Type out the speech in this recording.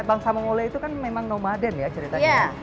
bangsa mongoleh itu kan memang nomaden ya ceritanya